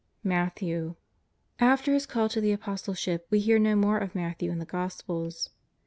Matthew. After his call to the Apostleship we hear BO more of Matthew in the Gospels.